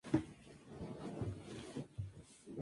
Algunas fuentes recomiendan tan poco como un minuto.